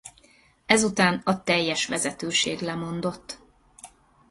Ezután a teljes vezetőség lemondott.